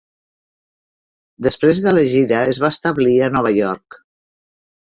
Després de la gira, es va establir a Nova York.